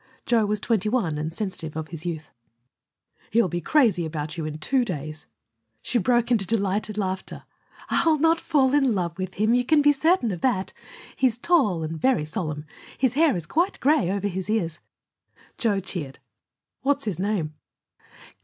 Joe was twenty one, and sensitive of his youth. "He'll be crazy about you in two days." She broke into delighted laughter. "I'll not fall in love with him you can be certain of that. He is tall and very solemn. His hair is quite gray over his ears." Joe cheered. "What's his name?"